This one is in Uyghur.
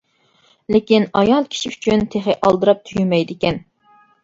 لېكىن ئايال كىشى ئۈچۈن تېخى ئالدىراپ تۈگىمەيدىكەن.